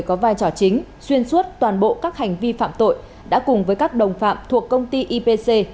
có vai trò chính xuyên suốt toàn bộ các hành vi phạm tội đã cùng với các đồng phạm thuộc công ty ipc